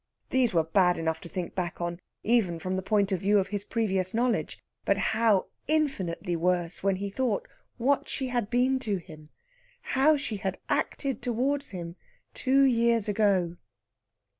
these were bad enough to think back on, even from the point of view of his previous knowledge; but how infinitely worse when he thought what she had been to him, how she had acted towards him two years ago!